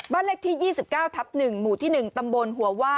บ้านเล็กที่ยี่สิบเก้าทับหนึ่งหมู่ที่หนึ่งตำบลหัวว่า